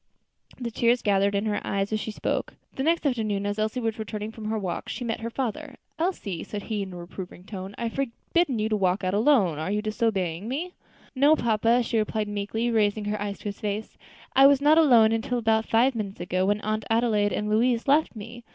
The tears gathered in her eyes as she spoke. The next afternoon, as Elsie was returning from her walk, she met her father. "Elsie," said he, in a reproving tone, "I have forbidden you to walk out alone; are you disobeying me?" "No, papa," she replied meekly, raising her eyes to his face, "I was not alone until about five minutes ago, when Aunt Adelaide and Louise left me.